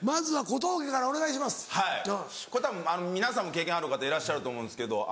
これたぶん皆さんも経験ある方いらっしゃると思うんですけど。